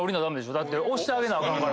だって押してあげなあかんから。